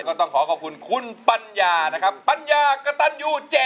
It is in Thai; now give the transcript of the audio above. ก็ต้องขอขอบคุณคุณปัญญานะครับปัญญากระตันยู๗